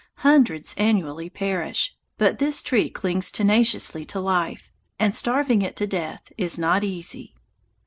Hundreds annually perish, but this tree clings tenaciously to life, and starving it to death is not easy.